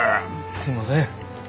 すいません。